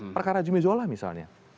perkara jimmy zola misalnya